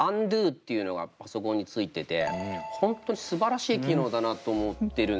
Ｕｎｄｏっていうのがパソコンについてて本当にすばらしい機能だなと思ってるんすよ。